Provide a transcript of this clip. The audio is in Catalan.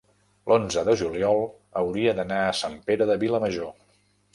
l'onze de juliol hauria d'anar a Sant Pere de Vilamajor.